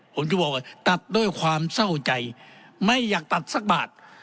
ผมจะบอกว่าตัดด้วยความเศร้าใจไม่อยากตัดสักบาท